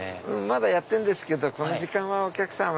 まだやってるけどこの時間はお客さん